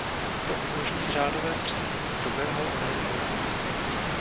To umožní řádové zpřesnění hrubého odhadu úhlu.